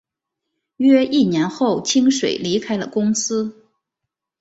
约一年后清水离开了公司。